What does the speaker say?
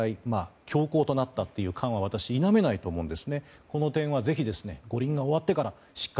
強硬となったという感は私、否めないと思います。